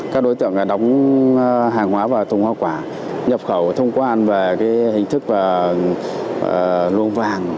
các đối tượng đóng hàng hóa và thông hoa quả nhập khẩu thông quan về hình thức luồng vàng